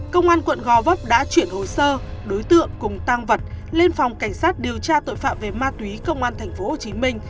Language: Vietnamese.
công an quận gò vấp đã chuyển hồ sơ đối tượng cùng tăng vật lên phòng cảnh sát điều tra tội phạm về ma túy công an tp hcm